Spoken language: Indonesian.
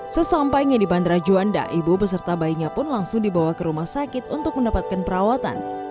sesampainya di bandara juanda ibu beserta bayinya pun langsung dibawa ke rumah sakit untuk mendapatkan perawatan